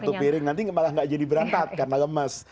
satu piring nanti malah gak jadi berantak karena lemas